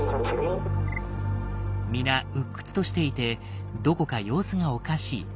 皆鬱屈としていてどこか様子がおかしい。